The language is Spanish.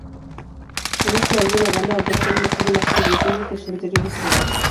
En este álbum la banda adopta un estilo mas progresivo que sus anteriores trabajos